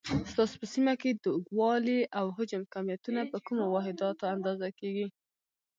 ستاسو په سیمه کې د اوږدوالي، او حجم کمیتونه په کومو واحداتو اندازه کېږي؟